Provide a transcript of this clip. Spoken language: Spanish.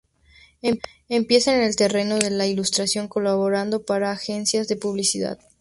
Empieza en el terreno de la ilustración colaborando para agencias de publicidad.